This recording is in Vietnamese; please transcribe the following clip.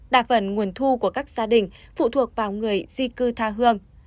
đa phần nguồn thu của các gia đình phụ thuộc vào người di cư tha hương